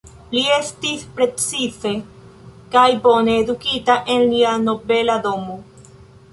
Li estis precize kaj bone edukita en lia nobela domo.